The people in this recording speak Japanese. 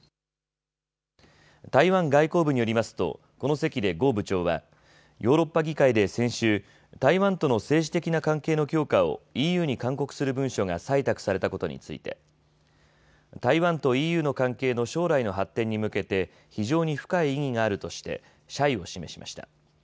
台湾外交部によりますとこの席で呉部長はヨーロッパ議会で先週、台湾との政治的な関係の強化をＥＵに勧告する文書が採択されたことについて台湾とＥＵの関係の将来の発展に向けて非常に深い意義があるとして謝意を示しました。